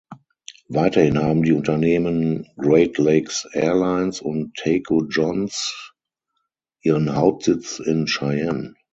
Weiterhin haben die Unternehmen Great Lakes Airlines und Taco John's ihren Hauptsitz in Cheyenne.